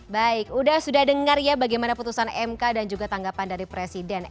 baik sudah dengar ya bagaimana putusan mk dan juga tanggapan dari presiden